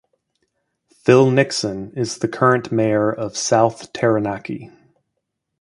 Phil Nixon is the current mayor of South Taranaki.